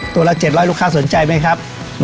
ตัวละ๗๐๐ลูกค้าสนใจไหมครับ